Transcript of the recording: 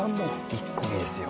１個にですよ。